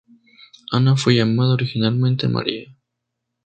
Ana fue llamada originalmente María.